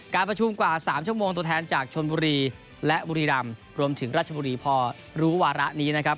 การประชุมกว่า๓ชั่วโมงตัวแทนจากชนบุรีและบุรีรำรวมถึงราชบุรีพอรู้วาระนี้นะครับ